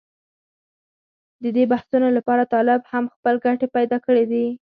د دې بحثونو لپاره طالب هم خپل ګټې پېدا کړې دي.